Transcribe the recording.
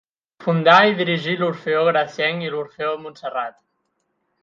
Fundà i dirigí l'Orfeó Gracienc i l'Orfeó Montserrat.